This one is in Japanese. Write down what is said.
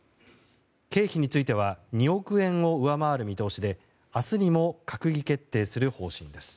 経費については２億円を上回る見通しで明日にも閣議決定する方針です。